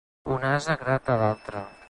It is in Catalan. Un ase grata l'altre.